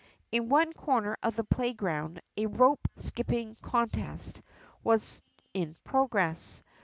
In one corner of the playground a rope skipping contest was in progress.